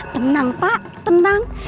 tenang pak tenang